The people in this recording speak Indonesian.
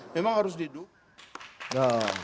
memang harus didukung